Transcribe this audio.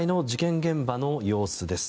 現場の様子です。